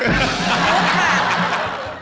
โอเคค่ะ